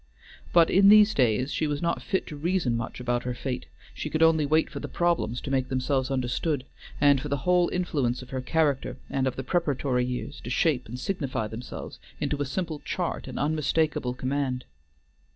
But in these days she was not fit to reason much about her fate; she could only wait for the problems to make themselves understood, and for the whole influence of her character and of the preparatory years to shape and signify themselves into a simple chart and unmistakable command.